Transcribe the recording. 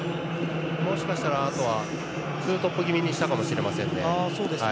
もしかしたらツートップ気味にしたかもしれませんね。